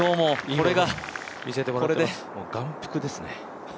眼福ですね。